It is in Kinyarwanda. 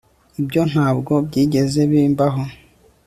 ibyo ntabwo byigeze bimbaho